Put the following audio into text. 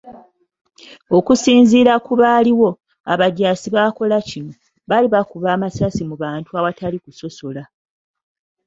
Okusinziira ku baaliwo, abajaasi abaakola kino, baali bakuba amasasi mu bantu awatali kusosola.